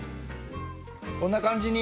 こんな感じに。